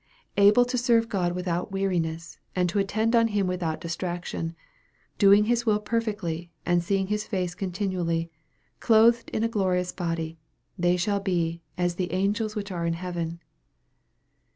Able to serve God without weariness, and attend on Him without distraction doing His will perfectly, and seeing His face continually clothed in a glorious body they shall be " as the angels which are in heaven."